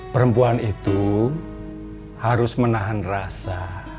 perempuan itu harus menahan rasa